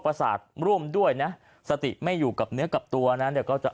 ประสาทร่วมด้วยนะสติไม่อยู่กับเนื้อกับตัวนะเดี๋ยวก็จะ